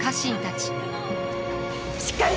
しっかり！